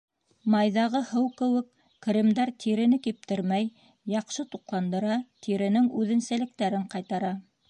«Майҙағы һыу» кеүек кремдар тирене киптермәй, яҡшы туҡландыра, тиренең үҙенсәлектәрен ҡайтара.